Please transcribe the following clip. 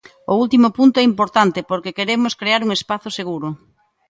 O último punto é importante porque queremos crear un espazo seguro.